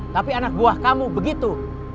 tapi anak buah kamu begitu